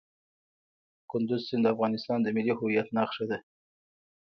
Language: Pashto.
کندز سیند د افغانستان د ملي هویت نښه ده.